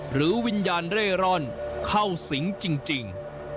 หรือวิญญาณเร่ร่อนเข้าสิงจริง